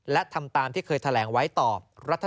และทำตามที่เคยแถลงไว้ต่อรัฐ